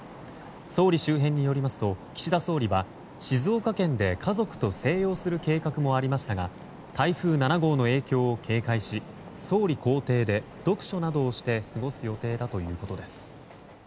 総理周辺によりますと岸田総理は静岡県で家族と静養する計画もありましたが台風７号の影響を警戒し総理公邸で読書などをして過ごす予定だということです。